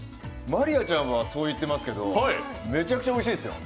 真莉愛ちゃんはそう言ってますけどめちゃくちゃおいしいですよ。